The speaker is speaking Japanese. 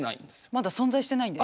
まだ存在してないんですね。